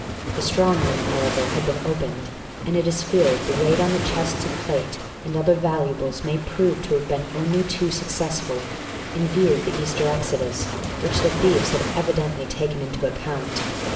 The strong room, however, had been opened, and it is feared the raid on the chests of plate and other valuables may prove to have been only too successful, in view of the Easter exodus, which the thieves had evidently taken into account.